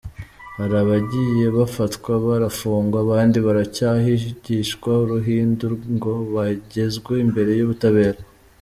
Hari abagiye bafatwa barafungwa, abandi baracyahigishwa uruhindu ngo bagezwe imbere y’ubutabera.